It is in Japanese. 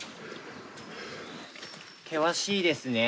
険しいですね。